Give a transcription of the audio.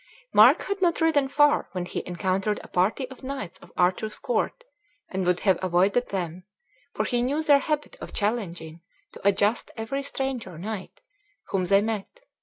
Mark had not ridden far when he encountered a party of knights of Arthur's court, and would have avoided them, for he knew their habit of challenging to a just every stranger knight whom they met.